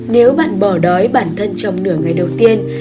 nếu bạn bỏ đói bản thân trong nửa ngày đầu tiên